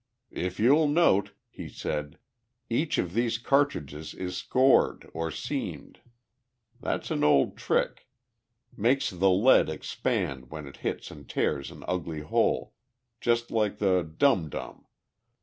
"If you'll note," he said, "each of these cartridges is scored or seamed. That's an old trick makes the lead expand when it hits and tears an ugly hole, just like a 'dum dum.'